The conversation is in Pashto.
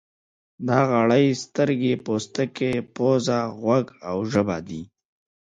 دا غړي سترګې، پوستکی، پزه، غوږ او ژبه دي.